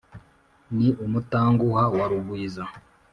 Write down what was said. ni umutanguha wa rugwiza